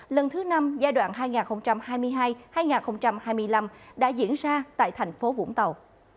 lần thứ năm giai đoạn hai nghìn hai mươi hai hai nghìn hai mươi năm đã diễn ra tại thành phố vũng tàu